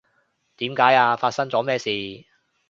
點解呀？發生咗咩事？